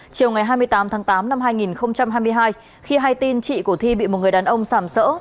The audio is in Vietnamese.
chiều hai mươi tám tháng tám năm hai nghìn hai mươi hai khi hay tin chị của thi bị một người đàn ông sàm sỡ